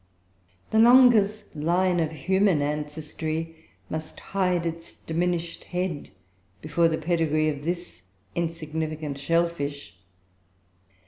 The longest line of human ancestry must hide its diminished head before the pedigree of this insignificant shell fish.